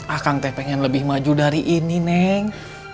akang teh pengen lebih maju dari ini neng